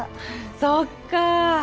そっか。